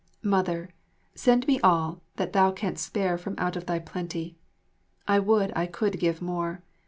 Mother, send me all that thou canst spare from out thy plenty. I would I could give more.